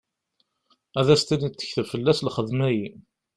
Ad as-tiniḍ tekteb fell-as lxedma-ayi.